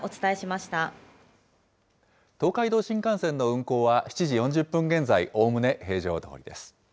東海道新幹線の運行は７時４０分現在、おおむね平常どおりです。